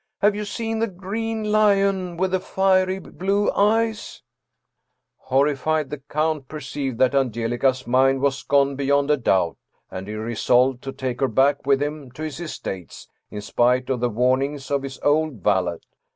Have you seen the green lion with the fiery blue eyes ?* Horrified the count perceived that Angelica's mind was gone beyond a doubt, and he resolved to take her back with him to his estates, in spite of the warnings of his old valet.